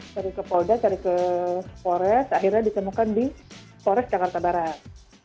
cari ke polda cari ke polres akhirnya ditemukan di forest jakarta barat